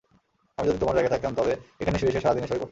আমি যদি তোমার জায়গায় থাকতাম, তবে এখানে শুয়ে শুয়ে সারাদিন এসবই পড়তাম।